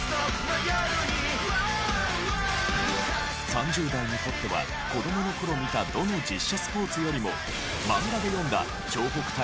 ３０代にとっては子どもの頃見たどの実写スポーツよりも漫画で読んだ湘北対